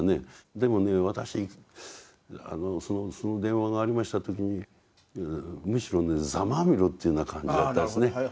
でもね私その電話がありました時にむしろねざまあみろという感じだったですね。